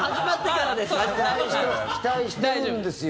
期待してるんですよ。